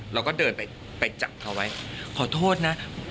เราก็เดินไปจับเขาไว้ขอโทษนะ